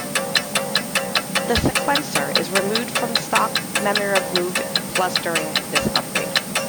The sequencer is removed from the stock Memorymoog Plus during this upgrade.